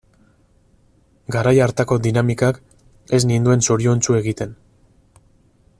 Garai hartako dinamikak ez ninduen zoriontsu egiten.